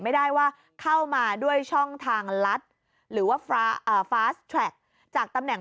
ไม่ได้ว่าเข้ามาด้วยช่องทางลัดหรือว่าฟ้าสแทรกจากตำแหน่ง